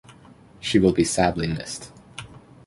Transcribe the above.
She will be sadly missed.